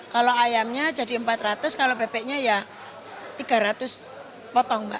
kalau ayamnya jadi empat ratus kalau bebeknya ya tiga ratus potong mbak